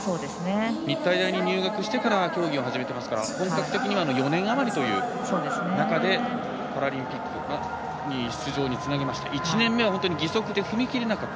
日体大に入学してから競技を始めてますから本格的には４年あまりという中でパラリンピックに出場につなげました、１年目は義足で踏み切れなかった。